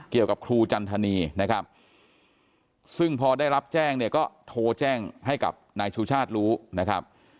เกี่ยวกับครูจันทนีนะครับซึ่งพอได้รับแจ้งเนี่ยก็โทรแจ้งให้กับนายชูชาติรู้นะครับ